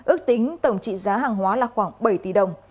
ước tính tổng trị giá hàng hóa là khoảng bảy tỷ đồng